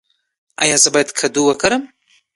ایا زه باید کدو وخورم؟